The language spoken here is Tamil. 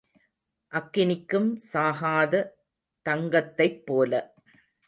அக்கினிக்கும் சாகாத தங்கத்தைப் போல.